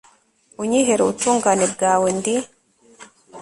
unyihere ubutungane bwawe, ndi